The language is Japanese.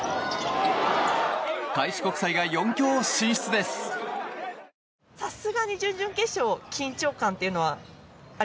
開志国際が４強進出です。